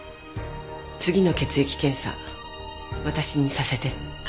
次の血液検査私にさせて。